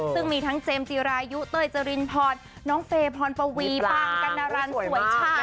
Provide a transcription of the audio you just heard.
ซึ่งมีทั้งเจมส์จีรายุเตยเจรินพอร์ตน้องเฟย์พรพวีปางกันดารันสวยฉ่ำมาเลย